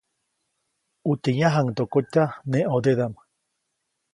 ʼUtye yãjkyajaŋdokotya neʼ ʼõdedaʼm.